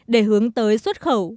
để hướng tới xuất khẩu